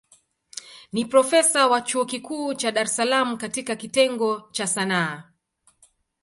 Ni profesa wa chuo kikuu cha Dar es Salaam katika kitengo cha Sanaa.